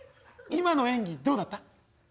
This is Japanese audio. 今の演技どうだった？